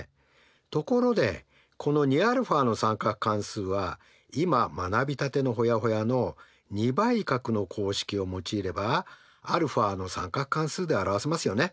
ところでこの２αの三角関数は今学びたてのホヤホヤの２倍角の公式を用いればαの三角関数で表せますよね。